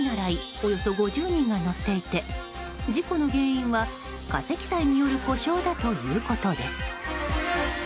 およそ５０人が乗っていて事故の原因は過積載による故障だということです。